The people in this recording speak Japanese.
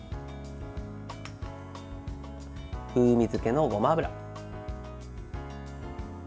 風味づけのごま油。